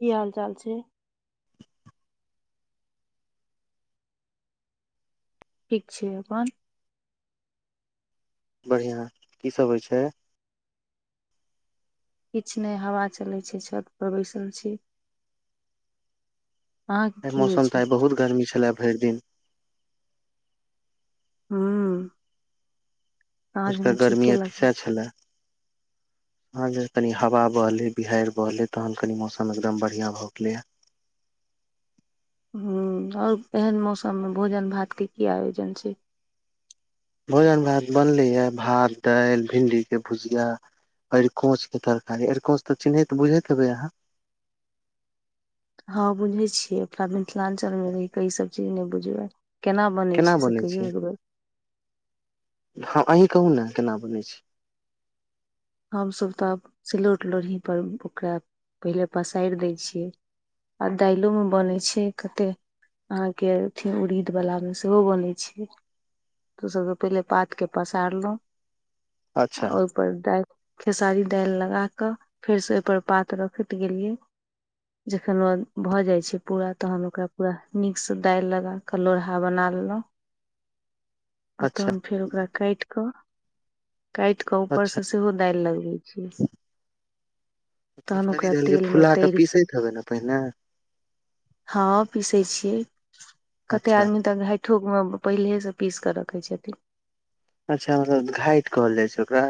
की हाल चाल छै ठीक छै अपन बढ़िया की सब होइ छै किछु नहि हवा चले छै छत पर बैसल छी अहाँके एहि की होइ मौसम तऽ छै आइ बहुत गर्मी छलै भरि दिन हूँ साँझ अजुका मे गर्मी ठीके लगल सेहै छलए आजे कनी हवा बहले बिहाड़ि बहले तहन कनी मौसम एकदम बढ़िया भए गेलै हूँ आओर एहन मौसम में भोजन भात के की आयोजन छै भोजन भात बनले यै भात दालि भिंडी के भुजिया अरकोच के तरकारी अरकोंच तऽ चिन्हैत बुझे हेबे अहाँ हँ बुझै छियै अपना मिथिलांचल मे रहि के इसभ चीज नहि बुझबै केना से बनै छै कहियौ एक बेर ह अही कहु ने केना बनै छै हमसभ तऽ आब सिलौट लोढ़ीपर ओकरा पहिले पसारि दै छियै आ दालो में बनैत छै कते अहाँ के अथि उड़ीद बला मे सेहो बनै छै तो सभके पहिले पातके पसारलहुँ आ अच्छा ओहिपर डालि खेसारी दालि लगा कऽ फेरसँ ओहिपर पात रखैत गेलियै जखन ओ भऽ जाय छै पूरा तहन ओकरा पूरा नीक से दालि लगा क लोढ़हा बना लेलहुँ आ अच्छा तहन फेर ओकरा कटि कऽ काटि उपर अच्छा से सेहो दाल लगवय छि खेवय सँ पहिने हँं पीसे छियै कते अच्छा आदमी तक रा ठोक भम पहिलेसँ पीस कऽ रखै छथिन अच्छा मतलब घाइट कहल जाइ छै ओकरा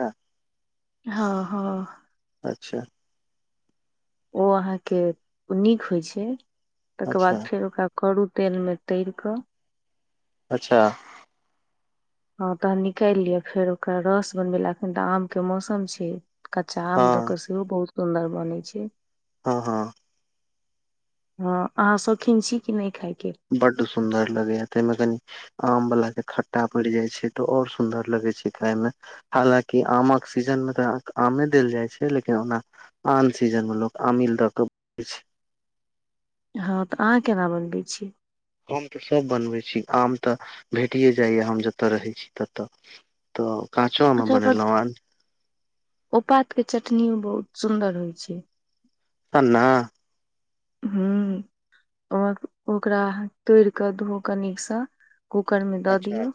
हँ हँ अच्छा ओ अहाँके नीक होइत छै तकर अच्छा बाद फेर ओकरा करू तेलमे तेर कऽ अच्छा हँ तहन निकालि लिअ फेर ओकरा रस बनबेल ला एखन तऽ आम के मौसम छै कच्चा आम हँ दऽ कऽ सेहो बहुत सुन्दर बनै छै हँ हँ हँ अहाँ शौकीन छी कि नहि खायके बड्ड सुंन्दर लगैया ताहिमें कनी आम वला के खट्टा पड़ जाय छै तऽ और सुन्दर लगे छै खाय मे हालाँकि आमक सीजनमे तऽ आमे देल जाइत छै लेकिन ओना आन सीजन मे लोग अमिल द के हँं तऽ अहाँ केना बनबै छियै हम तऽ सभ बनबै छी आम तऽ भेटिए जाइए हम जतय रहै छी तत तऽ काँचो आमे अच्छा ओकर बनेलहु आन ओ पात के चटनी ओ बहुत सुंदर होइ छै सना [inaudible] हू ओ ओकरा तोड़ कऽ धोक निकसँ कूकरमे द अच्छा दियौ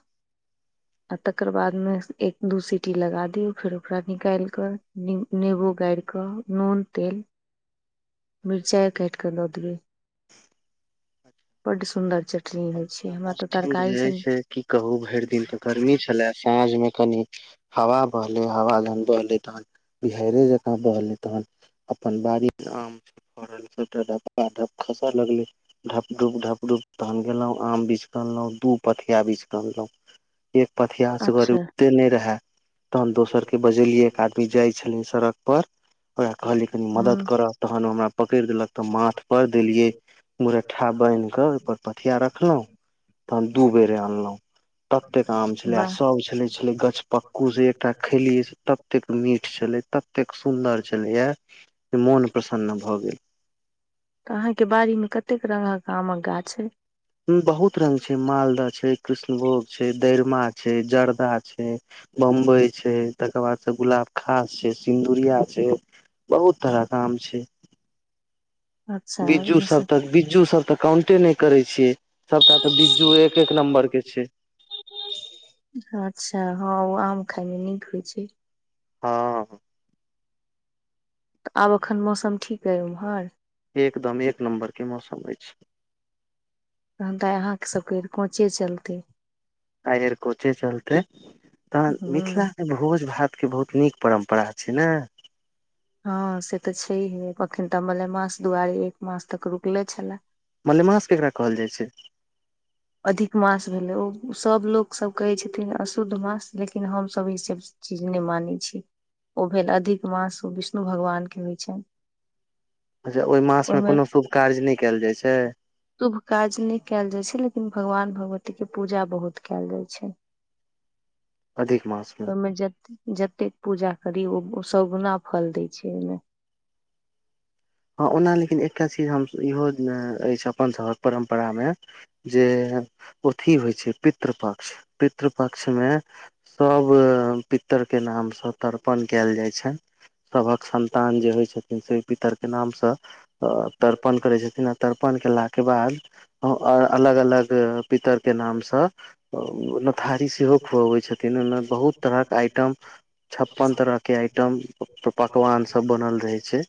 आ तकर बादमे एक दू सीटी लगा दियऔ फेर ओकरा निकाल कऽ नेबो गारिकऽ नून तेल [inaudible] मिर्चाई कटि कऽ द देब‌इ [inaudible] बड सुन्दर चटनी होइ छै अपना हमरा तऽ मौसम जे तरकारी हइ सँ से की कहू भरि दिन तऽ गर्मी छलै साँझमे कनि हवा बहले हवा जहन बहले तहन बिहाड़े जका बहलै तहन अपन बाड़ी आम ल सबटा खसा लगलै ढप डुप ढपडुप तह [unintelligible] गेलहुँ आम बिछके अनलँ दू पथिया बिछके अनलहुँ एक पथियासँ अच्छा उठते नहि रहय तहन दोसर के बजेलियै एक आदमी जाइ छलिन सड़क पर ओकरा कहलीये कनि मदद हूँ करऽ तहन ओ हमरा पकड़ि देलक तऽ माथ पर देलिये मुरठा बान्हि के ओहिप ठिया रखलहु तहन दू बेर अनलहु ततेक आम छलै वाह सब ओ छलै छलै गछपक्कू जे एकटा खेलियै से ततेक मीठ छलै तत एतेक सुंदर छलैया जे मोन प्रसन्न भए गेल तऽ अहाँके बाड़ी में कते रंगगक आमक गाछ यै बहुत रंग छै मालदाह छै कृष्णभोग छै दरमा छै जर्दा छै बम्बइ छै तकर बाद त गुलाबखास छै सिन्दुरिया छै बहुत तरह के आम छै अच्छा ओहिमे बिज्जूसभ सँ तऽ बिज्जूसभ तऽ काउंटे नहि करै छियै सबटा तऽ बिज्जू एक एक नम्बर के छै अच्छा हँ ओ आम खाय ले नीक होइ छै हँ तऽ आब एखन मौसम ठीक अइ ओम्हर एकदम एक नम्बर के मौसम अछि तहन तऽ अहाँके सभके कोाचे चलतै आइ भर कोचे चलते तहन हूँ मिथिला भोज भातके बहुत नीक परम्परा छै ने हँ से तऽ छैहे अखन तऽ मल मास दुआरी एक मास से रुकले छले मलेमास केकरा कहल जाइ छै अधिक मास भेलै ओ सभ लोकसभ कहै छथिन अशुद्ध मास लेकिन हमसभ ई सब से चीज नहि मानै छी ओ भेल अधिक मास ओ विष्णु भगवानके होइ छनि अच्छा ओहि मास मे ओहिमे कोनो शुभ काज नहि कयल जाइ छै शुभ काज नहि कयल जाइ छै लेकिन भगवान भगवतीके पूजा बहुत कयल जाइ छै अधिक मासमे ओमे जतेक जतेक पूजा करी ओ सगुना फल दै छै ओहिमे हँ ओना लेकिन एकटा चीज हम इहो अछि अपन सभक परम्परा मे जे अथी होइ छै पितृ पक्ष पितृ पक्ष मे सभ पितरके नामसँ तर्पण कयल जाइ छनि सबक संन्तान जे होय छथिन से पितर के नामसँ अ तर्पण करै छथिन आ तर्पण देलाके बाद अ अलग अलग पितर के नाम सँ ओ त थारी सेहो खुअबैत छथिन ओहिमे बहुत तरहक आइटम छप्पन तरह के आइटम पकवान सब बनल रहे छै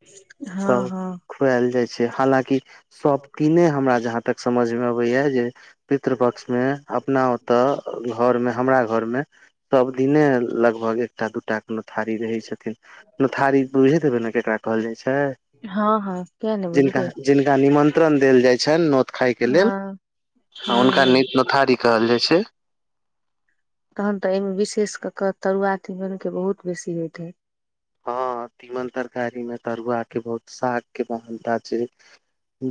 [unintelligible] तब खुएल जाइ छै हालांकि सभ तीने हमरा जहाँ तक समझमे अबैया जे पितृपक्षमे अपना ओतय घरमे हमरा घरमे सब दिने लगभग एकटा दूटा कोनो थारी रहै छथिन ने थारी बुझे देबै ने केकरा कहल जाइ छै हँ हँ किया ने जिनका बुझतै जिनका निमंत्रण देल जाय छनि नोत खााय के हँ लेल हूँ हुनका हूँ नीत नोथारी कहल जाइ छै तहन तऽ एहिमे विशेष कऽ के तरुआ तीमनक के बहुत बेसी होयइत हय हँ तीमन तरकारी में तरुआ के बहुत साग के महानता छै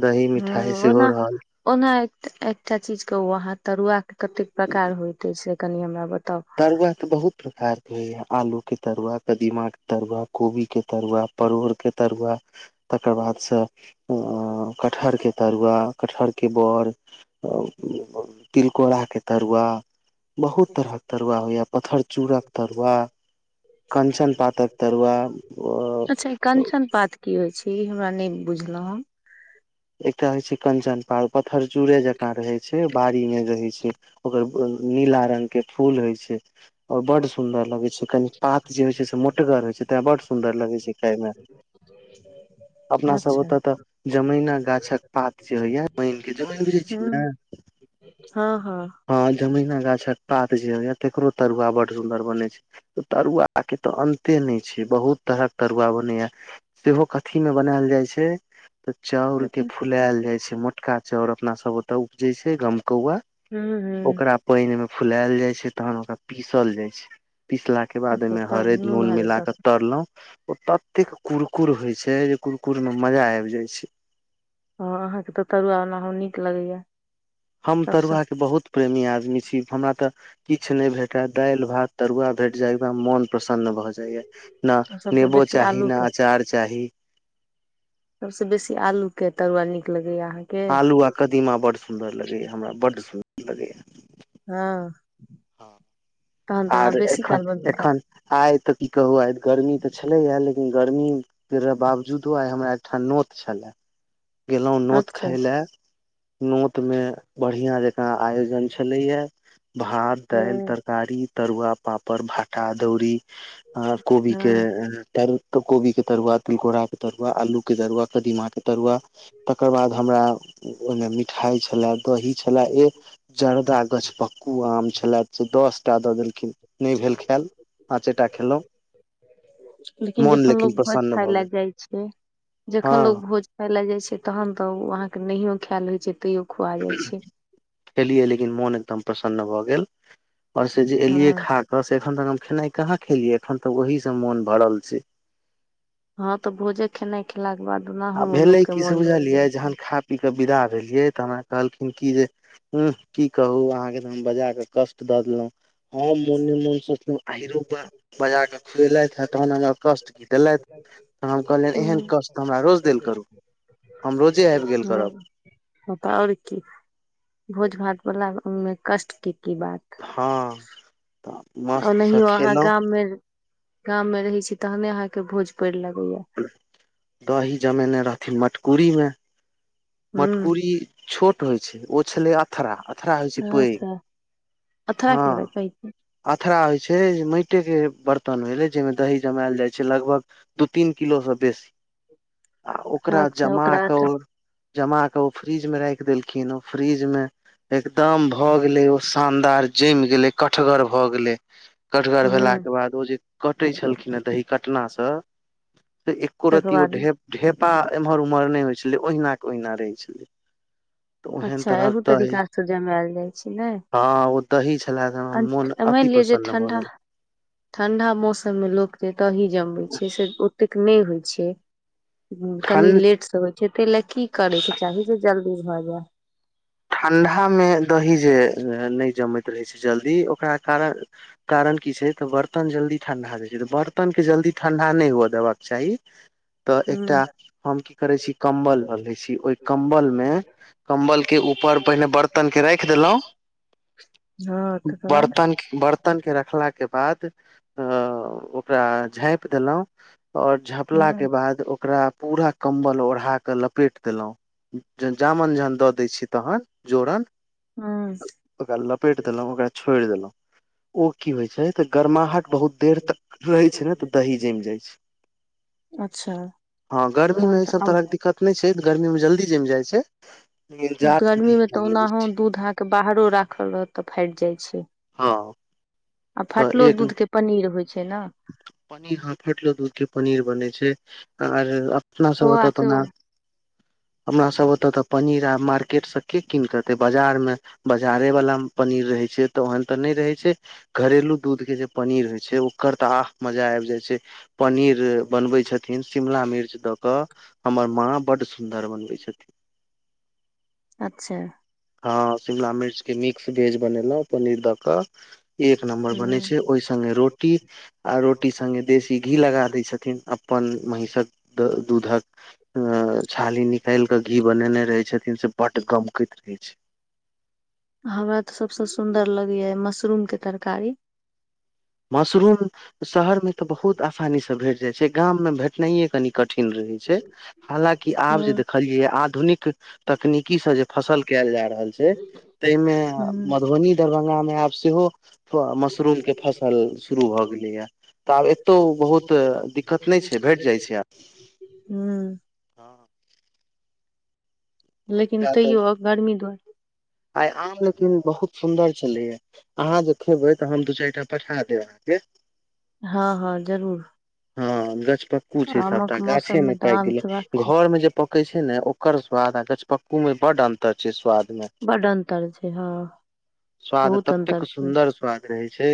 दही मिठाई हूँ सेहो ओना रहल ओना एक एकटा चीज के वहाँ तरुआ के कतेक प्रकार होयइते से कनि हमरा बताउ तरुआ तऽ बहुत प्रकारके होइए आलूके तरुआ कदीमाके तरुआ कोबीके तरुआ परोरके तरुआ तकर बादसँ कटहरके तरुआ कटहरके बोर तिलकोराके तरुआ बहुत तरहक तरुआ होइया पतथर चूड़ाक तरुआ कंचन पातक तरूआ अच्छा ई ओ कंचन पात की होइ छै हमरा नहि बुझलहुं एकटा होइ छै कंचन पाार पत्थर चूड़े जकाँ रहै छै बाड़ी मे रहै छै ओकर नीला रंग के फूल होइ छै और बड सुदर लगे छै कनि पात जे होय छै से मोटगर होय छै तें बड सुदर लगे छै खााय में हम अपना सब अच्छा ओतऽ तऽ जमैना गाछक पात जे होइया पानी के जमीन गरै छी ने हूं हँ जमीना गाछक पात जे हो या तकरो तरुआ बड सुदर बने छै तरुआके तऽ अन्ते नहि छै बहुत तरहक तरुआ बनैया सेहो कथी में बनायल जाय छै तऽ चाउ के कथी फुलाल जाय छै मोटका चाउर अपना सब ओतय उपजे छै गमकौआा हूँ हू पानि मे फुलायल जाय छै तहन ओकरा पीसल जाय छै पीसला के के बाद अच्छा ओहिमे तऽ हरद नून हरैद दऽ मिलाक तरलहुं ओ एतेक कुरकुर होइ छै जे कुरकुर में मजा आबि जाय छै हँ अहाँकेँ तऽ तरुआ बला हम नीक लगैए हम तरुआके बहुत प्रेमी आदमी छी हमरा तऽ किछु नहि भेटय दालि भात तरुआ भेट जाय एकदम मन प्रसन्न भए जाया ना सबसँ नेबो बेसी चाही आलू ने के अचार चाही सबसे बेसी आलू के तरुआ नीक लगैया अहाँके आलू आ कदीमा बड सुन्दर लगैया हमरा बड सुन्दर लगैया हँ तहन तऽ अहाँ आर बेसी एखन काल बनबै एखन आइ तऽ की कहू आइ गर्मी तऽ छलै हा लेकिन गर्मी फेरा बावजूदो आइ हमरा एकठाम नोत छलए गेलहुँ खायब नोत अच्छा खाय लए नोत मे बढ़िया जकाँ आयोजन छलैया भात दालि हूं तरकारी तरुआ पापड़ भाटा दौरी आ कोबी के हँ तऽ कोबी के तरुआ तिलकोरा के तरुआ आलू के तरुआ कदीमा के तरुआ तकर बाद हमरा ओहिमे मिठाई छलए दही छले ए जर्दा गछपक्कू आम छलै से दसटा दऽ देलखिन नहि भेल खायल पाँचेटा खेलहुॅं लेकिन जखन लोग भोज प्रसन्न खाय भऽ लए गेल जाइ छै। जखन लोग हँ भोज खा ले जाय छै। तहन तऽ ओ अहाँके नहियो खायल होय छै। तैयो खुआ जाइ छै खेलियै लेकिन मोन एकदम प्रसन्न भऽ गेल। आओर से जे एलियै हँ खा कऽ से एखन धरि हम खेनाइ कहाँ खेलियै, एखन धरि ओहिसँ मोन भरल छै। हँ तऽ भोज खेनाइ खेलाक बाद ओनाहु लोकके मोन भरि जाइ छै। ई के विदा भेलियै तऽ हमरा कहलखिन की जे? हँ, की कहू अहाँके तऽ हम बजा कऽ कष्ट दऽ देलहुँ। हँ, मने मने सोचलहुँ, आखिरो पा। बजा कऽ खुएलथि हँ, तऽ कष्ट की देलथि? तऽ हम कहलियनि, एहन हूं कष्ट हमरा रोज। देल करू, हम रोजे आबि गेल करब। पता आओर की, भोज भात वाला मे कष्ट के की बात! हँ तऽ ओ मस्तसँ नहि, अहाँ खेलहुँ गाममे गाममे रहै छी, तैँ अहाँके भोज पड़लै। दही जमेने रहथिन मटकुरी मे हूं मटकुरी छोट होइ छै। ओ छलय अथरा अथरा होइ छै, अच्छा पैघ अथरा हँ। केकरा कहै छै अथरा होइ छै माटिके बर्तन भेलै, जाहिमे दही जमायल जाइत छै लगभग। दू तीन किलोसँ बेसी आ ओकरा अच्छा जमा ओकरा अथरा कर जमा केऽ ओ फ्रिज में राख देलखिन ओ फ्रिज मे एकदम भऽ गेलै, ओ शानदार जमि गेलै, कड़कगर भऽ गेलै। कड़कगर हूं भेलाक बाद ओ जे कटै छलखिन हे, दही कटना से। तकर एकोरतीयो बाद ढेपा एम्हर उम्हर नहि होइ छलै, ओहिना के ओहिना रहै छलै। तऽ ओहन अच्छा, तरहक एहू दही तरीकासँ जमायल जाइ छै ने। हँ, ओ दही छलै, हमरा मोन मानि अति लिअ जे प्रसन्न भऽ ठंडा गेल। ठंडा मौसममे लोक जे दही जमबै छै, से ओतेक नहि होइ छै। हँ, कनि ठण्ड लेटसँ होइ छै, ताहि लेल की करैके चाही जे जल्दी भऽ जाय? ठंडामे दही जल्दी नहि जमैत रहै छै, ओकर कारण की? कारण की छै। तऽ बर्तन जल्दी ठंडा देय छै। त बर्तन के जल्दी ठंडा नहि हुए देबाक के चाही तऽ हूं एकटा हम की करै छी कम्बल लऽ ले छी ओहि कम्बल मे। कम्बल के ऊप ऊपर पहिने बर्तन के राख देलहु हँ तकर बाद बर्तन के ब बर्तनके रखलाक बाद ओकरा झाँपि देलहुँ। आओर हूं झाँपलाक बाद ओकरा पूरा कम्बल ओढ़ा कऽ लपेट देलहुँ। जामन जहन दऽ दै छी तहन जोरन हँ ओकरा लपेटि देलँयौ ओकरा छोड़ि देलँयौ ओ की होइ छै तऽ गरमाहट बहुत देर तक रहै छै ने तऽ दही जम जाई छै अच्छा हँ गर्मी मे तहन तऽ ईसब आब तरहके दिक्कत छै गर्मी मे जल्दी जम जाई छै गरमीमे तऽ टाइम लगै ओनाहु छै दूध अहाँके बाहरो राखल रहत तऽ फाटि जाई छै। हँ आ तऽ फटलो एक दूध के पनीर होइ छै। ना पनीर हँ फटलो दूध के पनीर बनै छै आर अपना सब खोआ एतऽ सेहो तना हमरा सभ ओतऽ तऽ पनीर आ मार्केटसँ के कीनक एतै बाजार मे बाजारे वालामे पनीर रहै छै। तऽ ओहन तऽ नहि रहै छै। घरेलू दूध के जे पनीर होय छै ओकर तऽ आह मजा आबि जाय छै पनीर बनबै छथिन शिमला मिर्च दऽ कऽ हमर माँ बड्ड सुन्दर बनबै छथिन अच्छे हँ शिमला मिर्च के मिक्स वेज बनेलहुं पनीर दऽ क एक नम्बर हूं बने छै ओहि संगे रोटी आ रोटी संगे देशी घी लगा दय छथिन अपन महींसक दूधक आ छाली निकाल के घी बनेने रहे छथिन से बड गमकैत रहे छै हमरा तऽ सबसे सुंन्दर लगेया मशरूम के तरकारी मशरूम शहर में तऽ बहुत आसानी से भेट जाय छै गाम में भेटनाइये कनी कठिन रहै छै छै हालाँकि आब हूं जे देखलिये आधुनिक तकनीकी सॅं फसल कयल जा रहल छै ताहिमे मधुबनी दरभंगा मे आब सेहो थऽ मशरूम के फसल शुरू भऽ गेलैया तऽ आब एतहु बहुत दिक्कत नहि छै भेट जाइत छै आब हू लेकिन किया तऽ तैयौ गरमी बड आइ आम लेकिन बहुत सुन्दर छलैया अहाँ जे खेबै तऽ हम दू चारिटा पठा देब अहाँके हँ हँ जरूर हँ गछपक्कू छै सबटा आमक मौसम गाछेमे मे तऽ पाकि आम खेबाक गेलै घर मे जे पके छै ने ओकर स्वाद आ गछपक्कू में बड अंतर छै स्वाद में बड्ड अन्तर छै हँ बहुत अन्तर छै रहै छै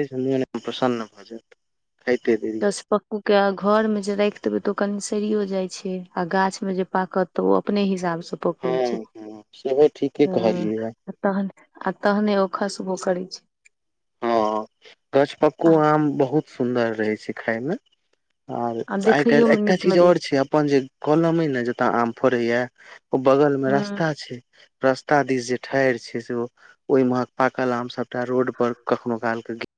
प्रसन्न भऽ जायत खाईते देरी गछपक्कू के घर मे जे राखि देबे तऽ ओ कनि सरियो जाय छै आ गाछ मे जे पाकत तऽ ओ अपने हिसाबसँ पकै हँ छै हँ सेहो ठीके कहलियै या तहन आ तहने ओ खसबो करै छै हँ गछपक्कू आ आम बहुत सुन्दर रहै छै खायमे आर आ आइ देखैयो काल्हि मे एकटा नीक चीज लगै आओर छै अपन जे कलम अइ ने जतय आम फड़ैय ओ बगल छै मे हूँ रास्ता छै रस्ता दिस जे ठार छै से ओहि महक पाकल आम सबटा रोड पर कखनो काल के